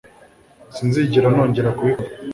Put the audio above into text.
Sinzigera nongera kubikora